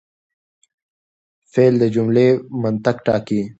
فعل د جملې منطق ټاکي.